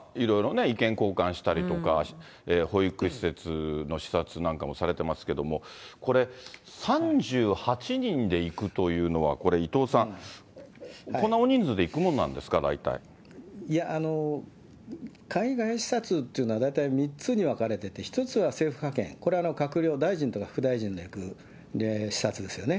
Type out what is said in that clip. こうやって見るといろいろ意見交換したりとか、保育施設の視察なんかもされてますけれども、これ、３８人で行くというのは、これ、伊藤さん、こんな大人数で行くもいや、海外視察というのは大体３つに分かれてて、１つは政府派遣、これは閣僚、大臣とか副大臣が行く視察ですよね。